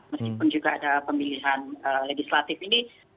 meskipun juga ada pemilihan legislatif ini